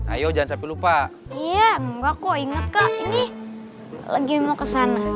ayo jangan sampai lupa iya nggak kok inget kak ini lagi mau kesana